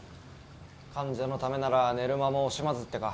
患者のためなら寝る間も惜しまずってか。